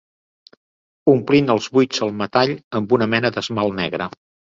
Omplint els buits al metall amb una mena d'esmalt negre.